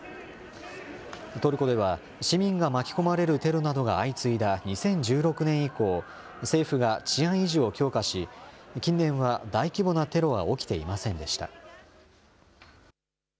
トルコでは、市民が巻き込まれるテロなどが相次いだ２０１６年以降、政府が治安維持を強化し、近年は大規模なテロは起きていませんでした。